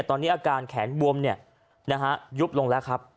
ตอนนี้อาการแขนบวมยุบลงแล้วครับ